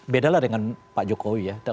beda lah dengan pak jokowi ya